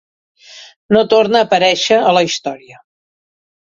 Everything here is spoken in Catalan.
No torna a aparèixer a la història.